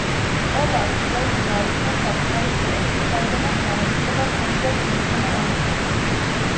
ყველა ასწლეულს გააჩნია საკუთარი სექტორი, საიდანაც მარადისობა კურირებს მოცემულ ასწლეულს.